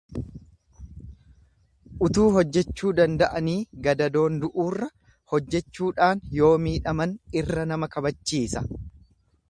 Utuu hojjechuu danda'anii gadadoon du'uurra hojjechuudhaan yoo miidhaman irra nama kabachiisa.